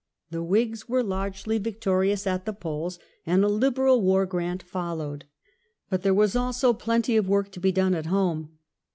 The Whigs were largely victorious at the polls, and a liberal war grant followed. But there was also plenty of work to be done at home.